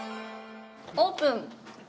オープン！